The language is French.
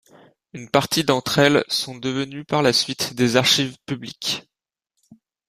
Une partie d'entre elles sont devenues par la suite des archives publiques.